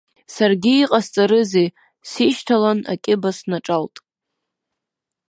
Саргьы иҟасҵарызиз, сишьҭалан акьыба снаҿалт.